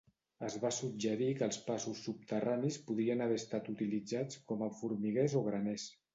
Es va suggerir que els passos subterranis podrien haver estat utilitzats com a formiguers o graners.